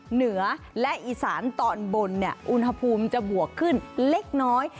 เหนือและอีสานตอนบนอุณหภูมิจะบวกขึ้นเล็กน้อย